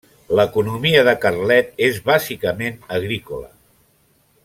L'economia de Carlet és bàsicament agrícola.